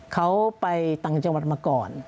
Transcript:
เขาไปต่างจังหวัดมาก่อน